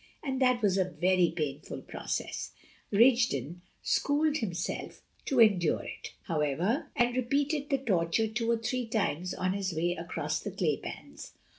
And that was a very painful process. Rigden schooled himself to endure it, however, and repeated the torture two or three times on his way across the clay pans.